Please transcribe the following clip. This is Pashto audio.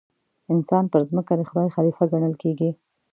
انسان پر ځمکه د خدای خلیفه ګڼل کېږي.